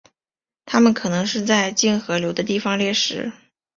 它们可能是在近河流的地方猎食。